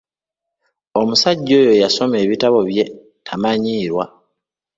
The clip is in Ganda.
Omusajja oyo yasoma ebitabo bye tamanyiirwa.